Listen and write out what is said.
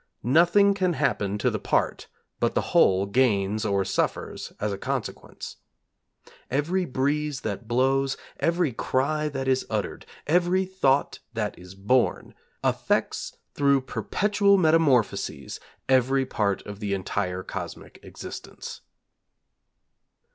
Nothing can happen to the part but the whole gains or suffers as a consequence. Every breeze that blows, every cry that is uttered, every thought that is born, affects through perpetual metamorphoses every part of the entire Cosmic Existence.